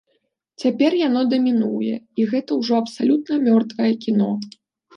Цяпер яно дамінуе, і гэта ўжо абсалютна мёртвае кіно.